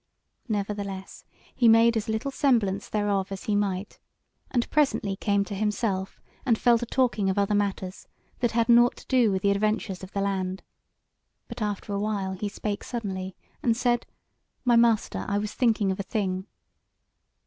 Nevertheless he made as little semblance thereof as he might, and presently came to himself, and fell to talking of other matters, that had nought to do with the adventures of the land. But after a while he spake suddenly, and said: "My master, I was thinking of a thing."